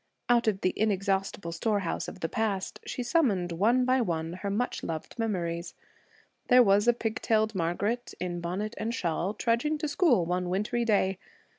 Out of the inexhaustible storehouse of the past, she summoned, one by one, her much loved memories. There was a pig tailed Margaret in bonnet and shawl, trudging to school one wintry day.